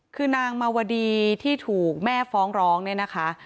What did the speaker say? คือนางมาวดีที่ถูกแม่ฟ้องร้องเนี่ยนะคะ